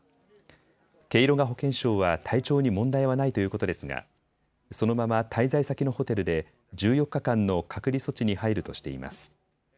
ケイロガ保健相は体調に問題はないということですがそのまま滞在先のホテルで１４日間の隔離措置に入るとしています。